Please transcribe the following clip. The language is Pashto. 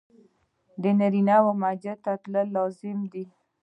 د نارينه مسجد ته تلل لازمي دي.